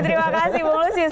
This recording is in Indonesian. terima kasih bu lusius